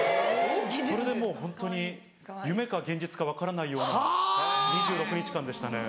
それでもうホントに夢か現実か分からないような２６日間でしたね。